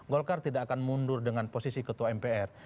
golkar tidak akan mundur dengan posisi ketua mpr